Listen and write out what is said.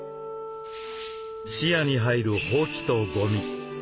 視野に入るほうきとごみ。